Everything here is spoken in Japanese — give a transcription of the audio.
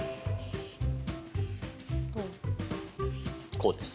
こうです。